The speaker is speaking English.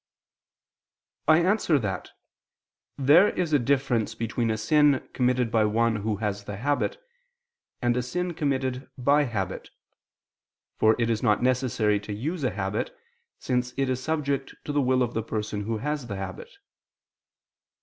I answer that, There is a difference between a sin committed by one who has the habit, and a sin committed by habit: for it is not necessary to use a habit, since it is subject to the will of the person who has that habit.